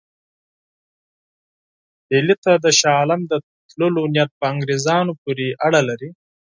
ډهلي ته د شاه عالم د تللو نیت په انګرېزانو پورې اړه لري.